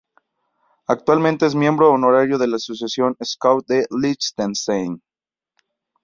Actualmente es miembro honorario de la Asociación Scout de Liechtenstein.